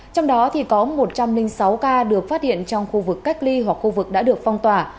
trong đó có một trăm linh sáu ca được phát hiện trong khu vực cách ly hoặc khu vực đã được phong tỏa